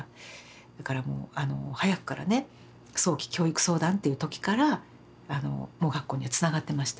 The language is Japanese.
だからもう早くからね早期教育相談っていう時から盲学校にはつながってました。